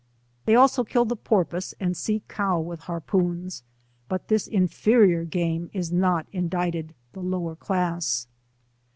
They also kill the porpoise and sea cow with harpoons, but this inferior game is not inter dicted the lower class.